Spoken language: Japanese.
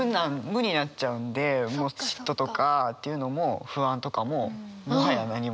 無になっちゃうんで嫉妬とかっていうのも不安とかももはや何もなくなる。